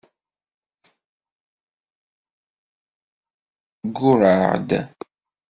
Ggurrɛeɣ-d.